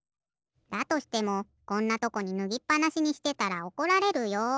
だとしてもこんなとこにぬぎっぱなしにしてたらおこられるよ。